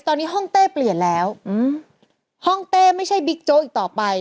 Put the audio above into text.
ตอนนี้ห้องเต้เปลี่ยนแล้วอืมห้องเต้ไม่ใช่บิ๊กโจ๊กอีกต่อไป